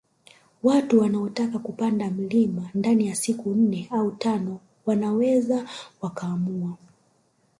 Watu wanaotaka kupanda mlima ndani ya siku nne au tano wanaweza wakaamua